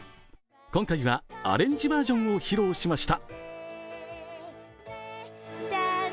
今回はアレンジバージョンを披露しました。